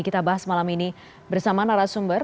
kita bahas malam ini bersama narasumber